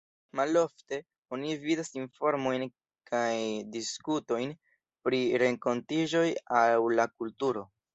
Malofte oni vidas informojn kaj diskutojn pri renkontiĝoj aŭ la kulturo.